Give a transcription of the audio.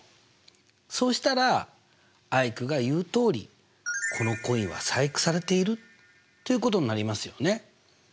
そうしたらアイクが言うとおり「このコインは細工されている」ということになりますよね。